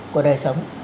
của đời sống